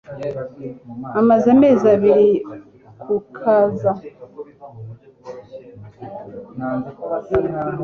Amaze amezi abiri ku kaza.